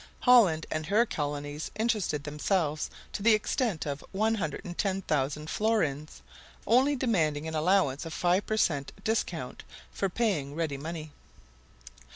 Holland and her colonies interested themselves to the extent of 110,000 florins, only demanding an allowance of five per cent. discount for paying ready money.